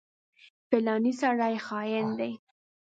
فلانی سړی خاين دی.